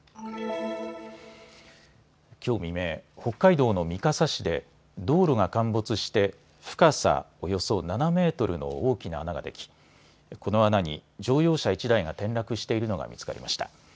きょう未明、北海道の三笠市で道路が陥没して深さ、およそ７メートルの大きな穴ができこの穴に乗用車１台が転落しているのが見つかりました。